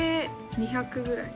２００ぐらい。